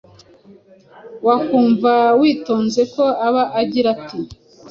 wakumva witonze ko aba agira ati